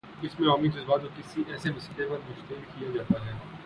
اس میں عوامی جذبات کو کسی ایسے مسئلے پر مشتعل کیا جاتا ہے۔